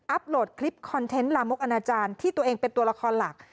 โหลดคลิปคอนเทนต์ลามกอนาจารย์ที่ตัวเองเป็นตัวละครหลัก